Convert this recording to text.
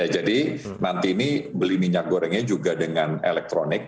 jadi nanti ini beli minyak gorengnya juga dengan elektronik